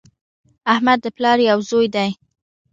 احمد د پلار یو زوی دی